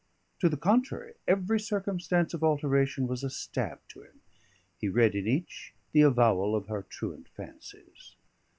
To the contrary, every circumstance of alteration was a stab to him; he read in each the avowal of her truant fancies.